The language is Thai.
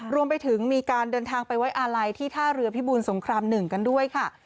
รวมไปถึงมีการเดินทางไปไว้อาลัยที่ท่าเรือพิบูรสงคราม๑กันด้วยค่ะ